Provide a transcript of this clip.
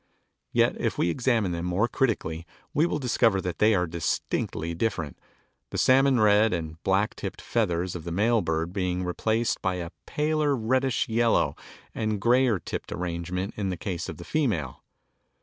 Yet if we examine them more critically we will discover that they are distinctly different, the salmon red and black tipped feathers of the male bird being replaced by a paler reddish yellow and grayer tipped arrangement in the case of the female.